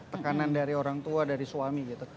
tekanan dari orang tua dari suami gitu